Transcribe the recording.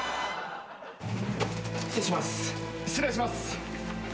失礼します。